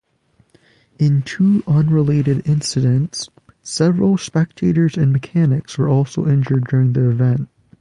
In two unrelated incidents, several spectators and mechanics were also injured during the event.